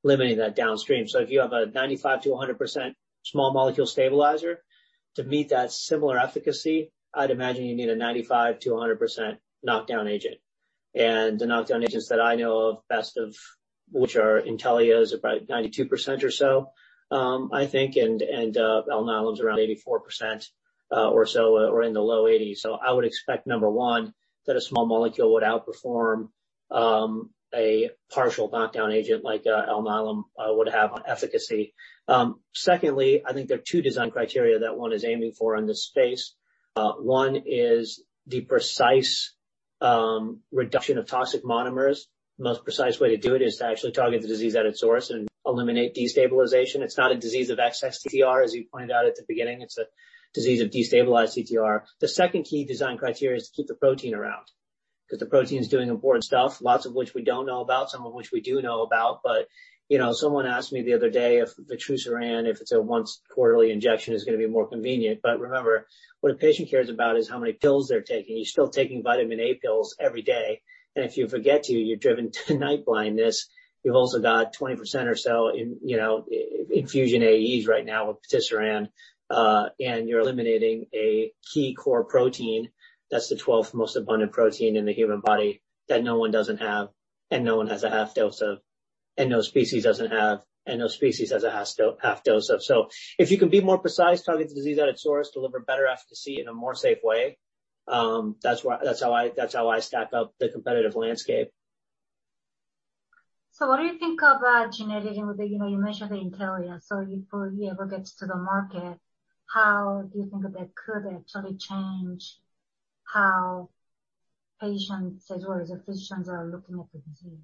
limiting that downstream. If you have a 95%-100% small molecule stabilizer to meet that similar efficacy, I'd imagine you need a 95%-100% knockdown agent. The knockdown agents that I know of best, which are Intellia's, about 92% or so, I think, and Alnylam's around 84% or so, or in the low 80s. I would expect, number 1, that a small molecule would outperform a partial knockdown agent like Alnylam would have on efficacy. Secondly, I think there are 2 design criteria that 1 is aiming for in this space. 1 is the precise reduction of toxic monomers. Most precise way to do it is to actually target the disease at its source and eliminate destabilization. It's not a disease of excess TTR, as you pointed out at the beginning. It's a disease of destabilized TTR. The second key design criteria is to keep the protein around, because the protein is doing important stuff, lots of which we don't know about, some of which we do know about. Someone asked me the other day if the vutrisiran, if it's a once quarterly injection, is going to be more convenient. Remember, what a patient cares about is how many pills they're taking. You're still taking vitamin A pills every day, and if you forget to, you're driven to night blindness. You've also got 20% or so infusion AEs right now with patisiran, and you're eliminating a key core protein that's the 12th most abundant protein in the human body that no one doesn't have, and no one has a half dose of, and no species doesn't have, and no species has a half dose of. If you can be more precise, target the disease at its source, deliver better efficacy in a more safe way, that's how I stack up the competitive landscape. What do you think of genetic, you mentioned the Intellia. Before it ever gets to the market, how do you think that could actually change how patients as well as physicians are looking at the disease?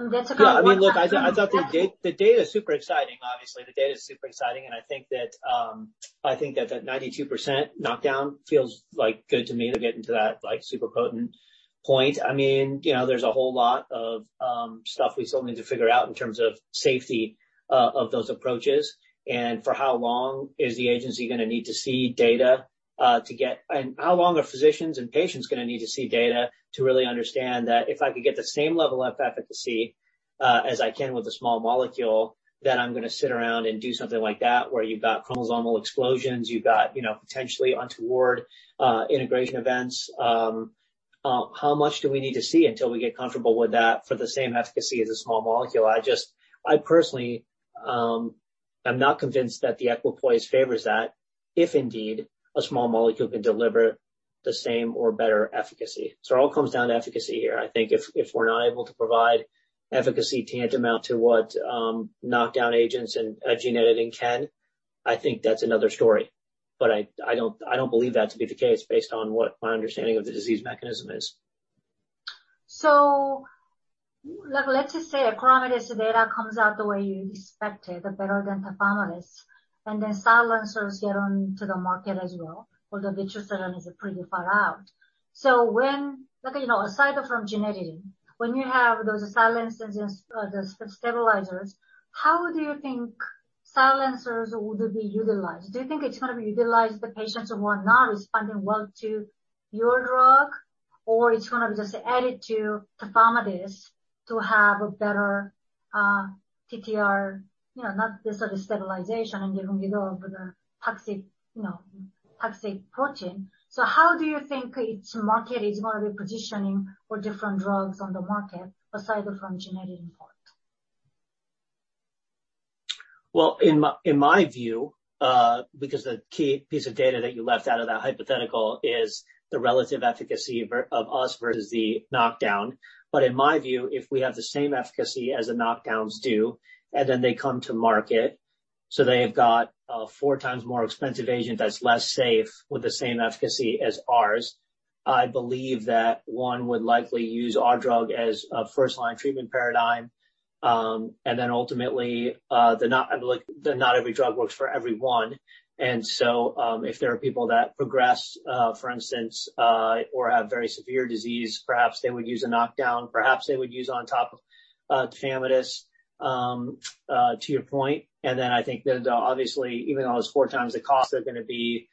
Yeah. Look, I thought the data is super exciting. Obviously, the data is super exciting, and I think that the 92% knockdown feels good to me to get into that super potent point. There's a whole lot of stuff we still need to figure out in terms of safety of those approaches, and for how long is the agency going to need to see data, and how long are physicians and patients going to need to see data to really understand that if I could get the same level of efficacy as I can with a small molecule, then I'm going to sit around and do something like that where you've got chromosomal explosions, you've got potentially untoward integration events. How much do we need to see until we get comfortable with that for the same efficacy as a small molecule? I personally am not convinced that the equipoise favors that, if indeed a small molecule can deliver the same or better efficacy. It all comes down to efficacy here. I think if we're not able to provide efficacy tantamount to what knockdown agents and gene editing can, I think that's another story. I don't believe that to be the case based on what my understanding of the disease mechanism is. Let's just say acoramidis data comes out the way you expected, better than tafamidis, and then silencers get onto the market as well. Although is pretty far out. Aside from gene editing, when you have those silencers and the stabilizers, how do you think silencers would be utilized? Do you think it's going to be utilized the patients who are not responding well to your drug, or it's going to be just added to tafamidis to have a better TTR, not necessarily stabilization and getting rid of the toxic protein. How do you think its market is going to be positioning for different drugs on the market, aside from gene editing part? In my view, because the key piece of data that you left out of that hypothetical is the relative efficacy of us versus the knockdown. In my view, if we have the same efficacy as the knockdowns do, and then they come to market, so they've got a four times more expensive agent that's less safe with the same efficacy as ours, I believe that one would likely use our drug as a first-line treatment paradigm, and then ultimately, not every drug works for everyone. If there are people that progress, for instance, or have very severe disease, perhaps they would use a knockdown. Perhaps they would use on top of tafamidis, to your point. I think then obviously, even though it's 4 times the cost, there are going to be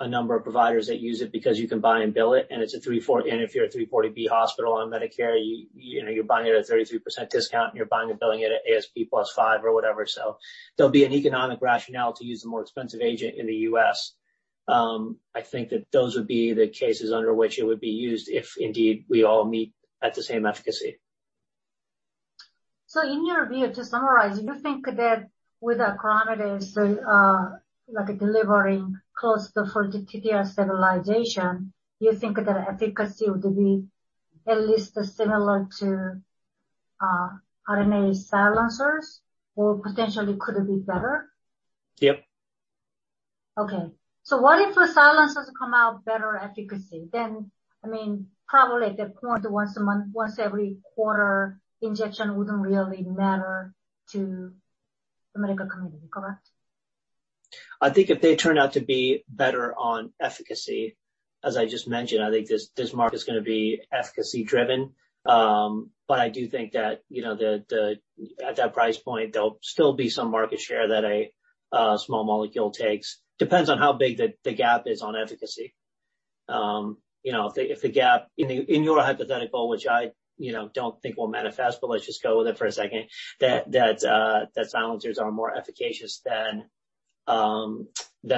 a number of providers that use it because you can buy and bill it, and if you're a 340B hospital on Medicare, you're buying it at a 33% discount and you're buying and billing it at ASP plus 5 or whatever. There'll be an economic rationale to use the more expensive agent in the U.S. I think that those would be the cases under which it would be used if indeed we all meet at the same efficacy. In your view, to summarize, you think that with acoramidis, like delivering close to for TTR stabilization, you think the efficacy would be at least similar to RNA silencers, or potentially could it be better? Yep. Okay. What if the silencers come out better efficacy? Probably at that point, once every quarter injection wouldn't really matter to the medical community, correct? I think if they turn out to be better on efficacy, as I just mentioned, I think this market is going to be efficacy-driven. I do think that at that price point, there'll still be some market share that a small molecule takes. Depends on how big the gap is on efficacy. In your hypothetical, which I don't think will manifest, but let's just go with it for a second, that silencers are more efficacious than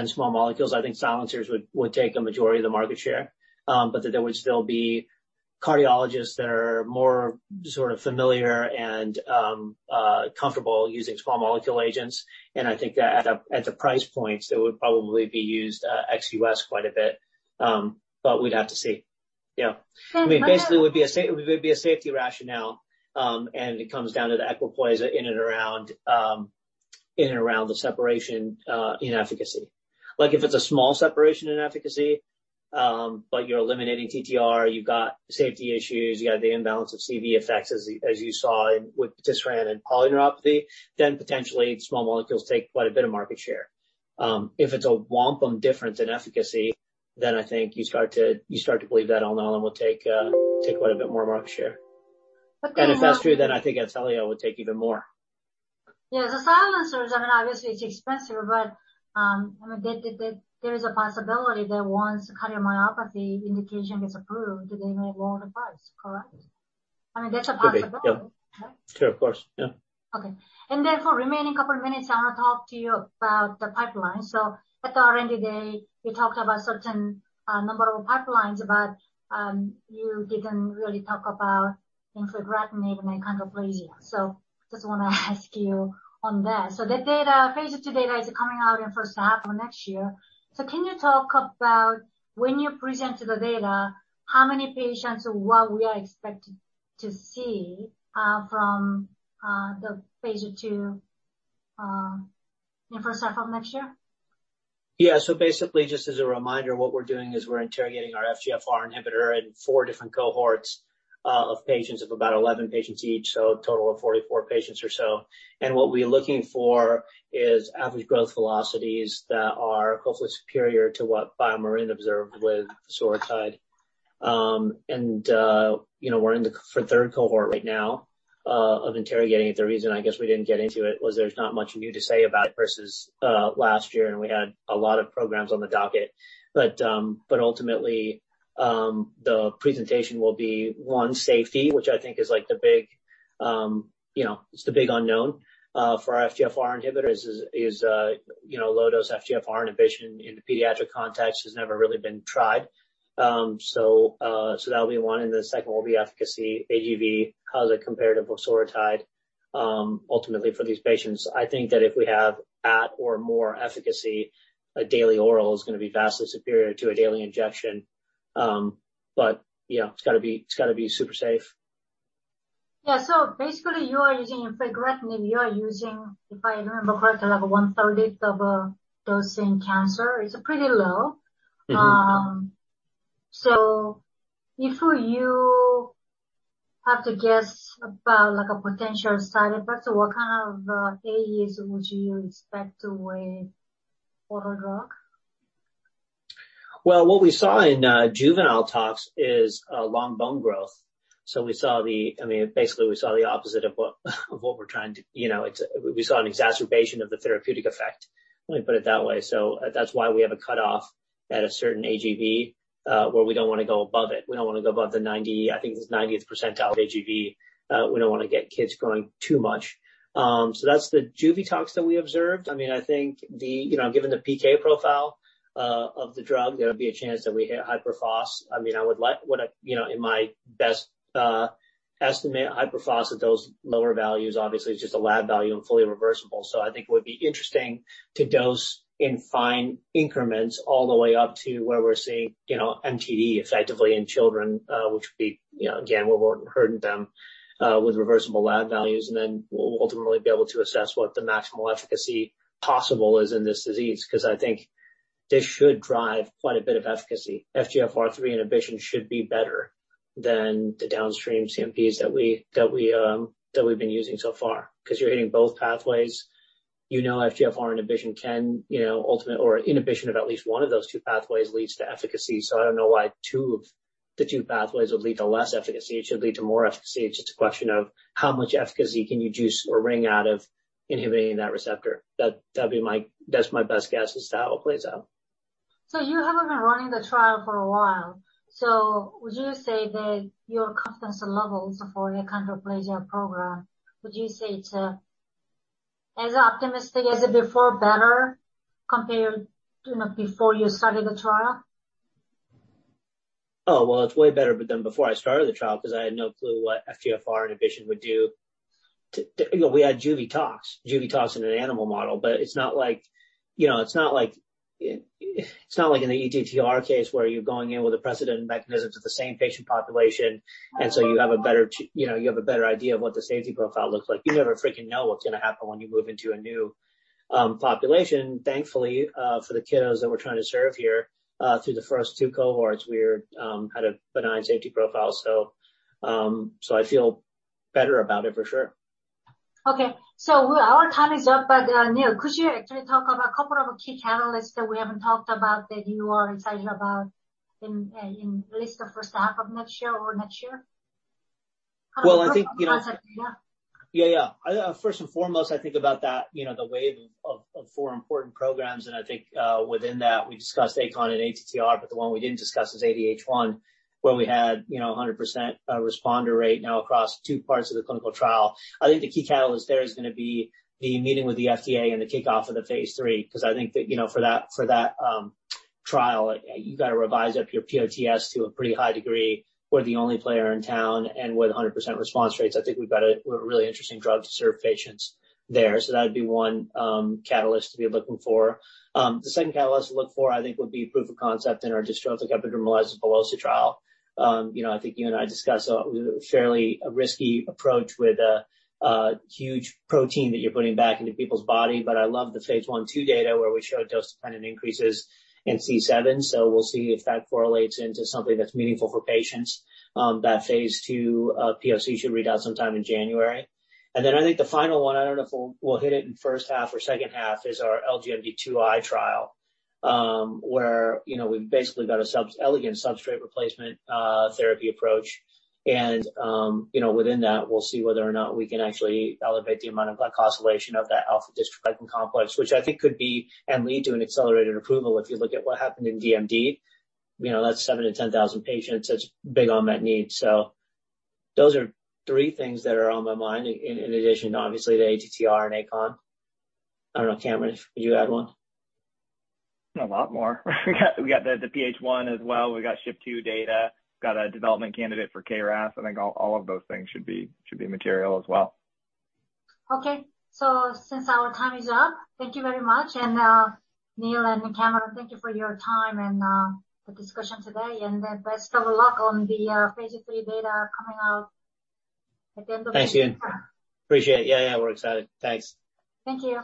small molecules. I think silencers would take a majority of the market share. That there would still be cardiologists that are more sort of familiar and comfortable using small molecule agents. I think that at the price points, they would probably be used ex-US quite a bit. We'd have to see. Yeah. It would be a safety rationale, and it comes down to the equipoise in and around the separation in efficacy. If it's a small separation in efficacy, you're eliminating TTR, you've got safety issues, you've got the imbalance of CV effects as you saw with vutrisiran and polyneuropathy, potentially small molecules take quite a bit of market share. If it's a whomping difference in efficacy, I think you start to believe that ONPATTRO will take quite a bit more market share. But- If that's true, then I think Intellia would take even more. Yeah. The silencers, obviously it is expensive, but there is a possibility that once cardiomyopathy indication gets approved, they may lower the price, correct? That is a possibility. Could be. Yep. Right. Sure, of course. Yeah. Okay. For remaining couple of minutes, I want to talk to you about the pipeline. At our R&D Day, we talked about certain number of pipelines, but you didn't really talk about infigratinib and achondroplasia. Just want to ask you on that. The phase II data is coming out in first half of next year. Can you talk about when you present the data, how many patients, what we are expecting to see from the phase II in the first half of next year? Yeah. Basically, just as a reminder, what we're doing is we're interrogating our FGFR inhibitor in 4 different cohorts of patients of about 11 patients each, a total of 44 patients or so. What we're looking for is average growth velocities that are hopefully superior to what BioMarin observed with VOXZOGO. We're in the third cohort right now of interrogating it. The reason I guess we didn't get into it was there's not much new to say about it versus last year, and we had a lot of programs on the docket. Ultimately, the presentation will be, 1, safety, which I think is the big unknown for our FGFR inhibitor is, low-dose FGFR inhibition in the pediatric context has never really been tried. That'll be 1, and the second will be efficacy, AGV, how does it compare to VOXZOGO ultimately for these patients? I think that if we have at or more efficacy, a daily oral is going to be vastly superior to a daily injection. It's got to be super safe. Yeah. Basically, you are using infigratinib, you are using, if I remember correctly, like a one-third of a dose in cancer. It's pretty low. If you have to guess about a potential side effect, what kind of AEs would you expect with oral drug? Well, what we saw in juvenile tox is long bone growth. We saw an exacerbation of the therapeutic effect, let me put it that way. That's why we have a cutoff at a certain AGV, where we don't want to go above it. We don't want to go above the 90, I think it's 90th percentile AGV. We don't want to get kids growing too much. That's the juvy tox that we observed. I think, given the PK profile of the drug, there would be a chance that we hit hyperphosphatemia. In my best estimate, hyperphosphatemia at those lower values, obviously, it's just a lab value and fully reversible. I think it would be interesting to dose in fine increments all the way up to where we're seeing MTD effectively in children, which would be, again, we won't hurt them with reversible lab values. We'll ultimately be able to assess what the maximal efficacy possible is in this disease, because I think this should drive quite a bit of efficacy. FGFR3 inhibition should be better than the downstream CNPs that we've been using so far. You're hitting both pathways. You know FGFR inhibition or inhibition of at least one of those two pathways leads to efficacy. I don't know why the two pathways would lead to less efficacy. It should lead to more efficacy. It's just a question of how much efficacy can you juice or wring out of inhibiting that receptor. That's my best guess as to how it plays out. You have been running the trial for a while. Would you say that your confidence levels for your chondrodysplasia program, would you say it's as optimistic as before, better compared to before you started the trial? Oh, well, it's way better than before I started the trial because I had no clue what FGFR inhibition would do. We had juvy tox in an animal model, but it's not like in the ATTR case, where you're going in with a precedent mechanism to the same patient population, you have a better idea of what the safety profile looks like. You never freaking know what's going to happen when you move into a new population. Thankfully, for the kiddos that we're trying to serve here, through the first 2 cohorts, we had a benign safety profile. I feel better about it for sure. Okay. Our time is up, Neil, could you actually talk about a couple of key catalysts that we haven't talked about that you are excited about in at least the first half of next year or next year? Well, I think- Yeah. Yeah. First and foremost, I think about that, the wave of 4 important programs, and I think within that, we discussed acoramidis and ATTR, but the one we didn't discuss is ADH1, where we had 100% responder rate now across 2 parts of the clinical trial. I think the key catalyst there is going to be the meeting with the FDA and the kickoff of the phase III, because I think that for that trial, you got to revise up your POS to a pretty high degree. We're the only player in town, and with 100% response rates, I think we've got a really interesting drug to serve patients there. That would be 1 catalyst to be looking for. The second catalyst to look for, I think, would be proof of concept in our dystrophic epidermolysis bullosa trial. I think you and I discussed a fairly risky approach with a huge protein that you're putting back into people's body. I love the phase I/II data where we showed dose-dependent increases in C7, so we'll see if that correlates into something that's meaningful for patients. That phase II POC should read out sometime in January. I think the final one, I don't know if we'll hit it in the first half or second half, is our LGMD2I trial, where we've basically got an elegant substrate replacement therapy approach. Within that, we'll see whether or not we can actually elevate the amount of glycosylation of that alpha-dystroglycan complex, which I think could be and lead to an accelerated approval. If you look at what happened in DMD, that's 7,000 to 10,000 patients. That's a big unmet need. Those are 3 things that are on my mind, in addition, obviously, to ATTR and achondroplasia. I don't know, Cameron, would you add 1? A lot more. We got the PH1 as well. We got SHP2 data. Got a development candidate for KRAS. I think all of those things should be material as well. Since our time is up, thank you very much. Neil and Cameron, thank you for your time and the discussion today, and best of luck on the phase III data coming out at the end of next year. Thanks, Eun Yang. Appreciate it. Yeah, we're excited. Thanks. Thank you.